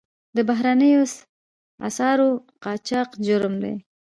د بهرنیو اسعارو قاچاق جرم دی